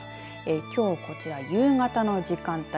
きょう、こちら夕方の時間帯。